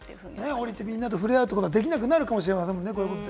下りて、みんなと触れ合うことができなくなるかもしれませんね。